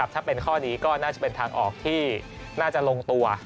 ถ้าเป็นข้อนี้ก็น่าจะเป็นทางออกที่น่าจะลงตัว